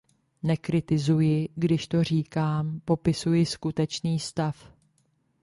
Nekritizuji, když to říkám, popisuji skutečný stav.